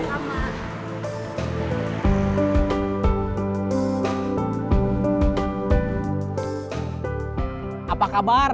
tidak ada kauhydro